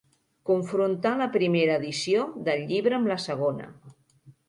Confrontar la primera edició del llibre amb la segona.